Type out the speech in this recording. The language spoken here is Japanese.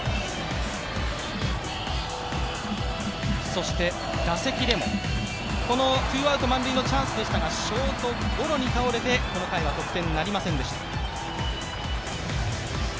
そして打席でも、このツーアウト満塁のチャンスでしたがショートゴロに倒れて、この回は得点なりませんでした。